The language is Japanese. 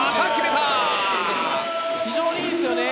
非常にいいですよね。